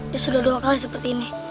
dia sudah minta berdo'a lagi seperti ini